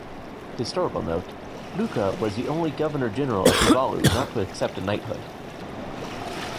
Historical note: Luka was the only Governor-General of Tuvalu not to accept a Knighthood.